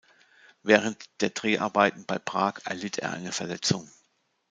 Während der Dreharbeiten bei Prag erlitt er eine Verletzung.